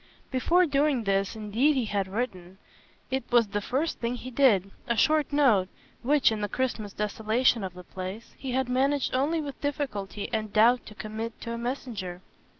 Before doing this indeed he had written it was the first thing he did a short note, which, in the Christmas desolation of the place, he had managed only with difficulty and doubt to commit to a messenger.